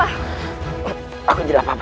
raden kau tidak apa apa